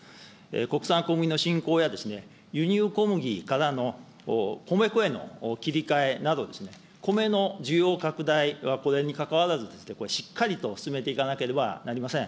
国産小麦のしんこうや輸入小麦からの米粉への切り替えなど、米の需要拡大は、これにかかわらず、しっかりと進めていかなければなりません。